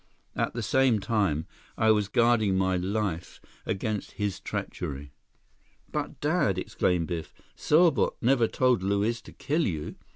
At the same time, I was guarding my life against his treachery." "But, Dad!" exclaimed Biff. "Serbot never told Luiz to kill you.